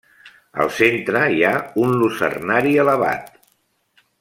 Al centre hi ha un lucernari elevat.